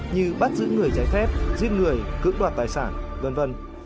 như bắt giữ người giải phép giết người cựu đoạt tài sản v v